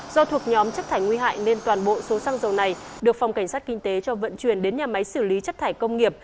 do thuộc nhóm chất thải nguy hại nên toàn bộ số xăng dầu này được phòng cảnh sát kinh tế cho vận chuyển đến nhà máy xử lý chất thải công nghiệp